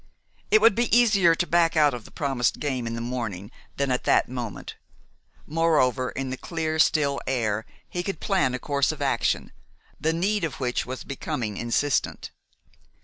It would be easier to back out of the promised game in the morning than at that moment. Moreover, in the clear, still air he could plan a course of action, the need of which was becoming insistent.